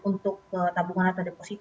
untuk tabungan atau deposito